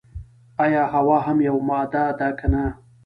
ایا هوا هم یوه ماده ده که نه.